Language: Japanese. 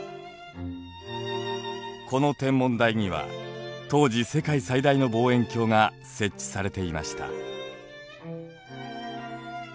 この天文台には当時世界最大の望遠鏡が設置されていました。